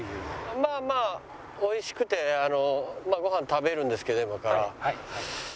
まあまあ美味しくてご飯食べるんですけど今から。